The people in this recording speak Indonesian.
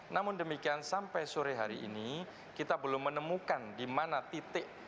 namun demikian sampai sore hari ini kita belum menemukan di mana titik